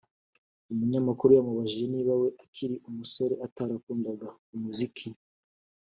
umunyamakuru yamubajije niba we akiri umusore atarakundaga umuziki